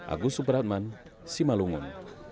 agus subratman simalungun